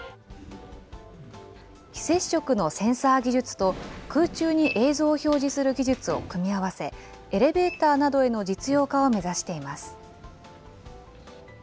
非接触のセンサー技術と、空中に映像を表示する技術を組み合わせ、エレベーターなどへの実用化を目指しています。